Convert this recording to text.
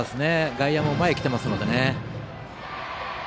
外野も前に来ていますのでね。